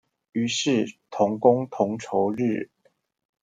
於是同工同酬日